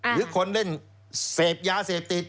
หรือคนเล่นเสพยาเสพติด